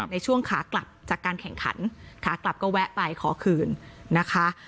ในช่วงขากลับจากการแข่งขันขากลับก็แวะไปขอคืนนะคะ